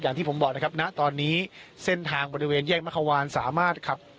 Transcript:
อย่างที่ผมบอกนะครับณตอนนี้เส้นทางบริเวณแยกมะควานสามารถขับ